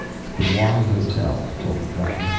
"The Y Hotel," I told the driver.